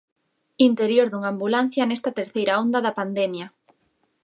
Interior dunha ambulancia nesta terceira onda da pandemia.